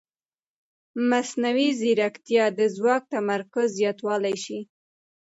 مصنوعي ځیرکتیا د ځواک تمرکز زیاتولی شي.